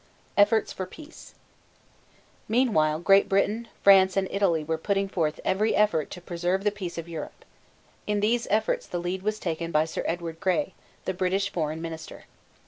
EFFORTS FOR PEACE. Meanwhile Great Britain, France, and Italy were putting forth every effort to preserve the peace of Europe. In these efforts the lead was taken by Sir Edward Grey, the British foreign minister.